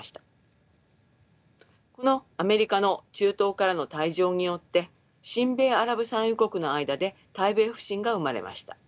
このアメリカの中東からの退場によって親米アラブ産油国の間で対米不信が生まれました。